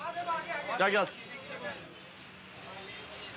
いただきます。